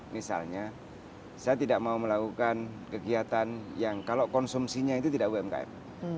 misalnya saya tidak mau melakukan kegiatan yang kalau konsumsinya itu tidak umkm